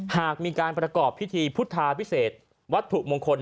หากมีการประกอบพิธีพุทธาพิเศษวัตถุมงคล